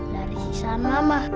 dari sisaan mama